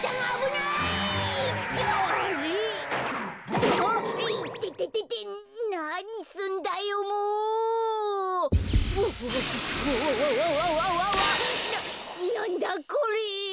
ななんだ？これ。